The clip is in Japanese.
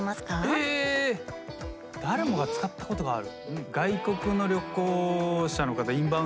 え誰もが使ったことがある？